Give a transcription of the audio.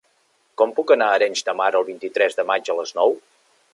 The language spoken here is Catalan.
Com puc anar a Arenys de Mar el vint-i-tres de maig a les nou?